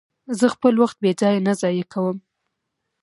زه خپل وخت بې ځایه نه ضایع کوم.